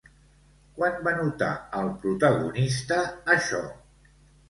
Quan va notar el protagonista això?